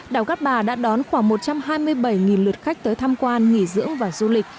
đảo cát bà đã đón khoảng một trăm hai mươi bảy lượt khách tới tham quan nghỉ dưỡng và du lịch